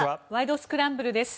スクランブル」です。